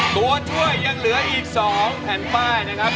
ตัวช่วยยังเหลืออีก๒แผ่นป้ายนะครับ